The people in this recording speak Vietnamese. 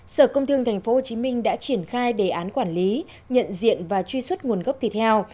sở công thương tp hcm đã triển khai đề án quản lý nhận diện và truy xuất nguồn gốc thịt heo